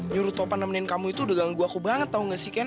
nyuruh topan nemenin kamu itu udah ganggu aku banget tau gak sih ken